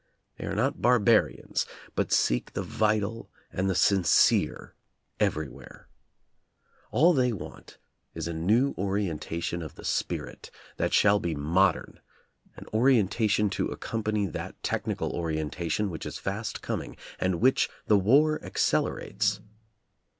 They are not barbarians, but seek the vital and the sincere everywhere. All they want is a new orientation of the spirit that shall be modern, an orientation to accompany that technical orientation which is fast coming, and which the war accelerates.